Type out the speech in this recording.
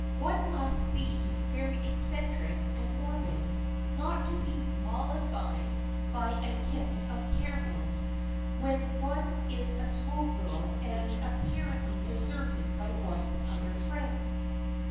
One must be very eccentric and morbid not to be mollified by a gift of caramels when one is a schoolgirl and appar ently deserted by one's other friends.